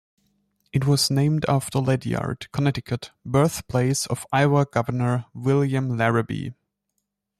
It was named after Ledyard, Connecticut, birthplace of Iowa governor William Larrabee.